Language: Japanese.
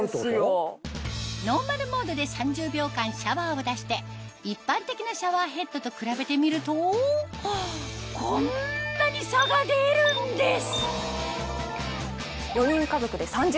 ノーマルモードで一般的なシャワーヘッドと比べてみるとこんなに差が出るんです！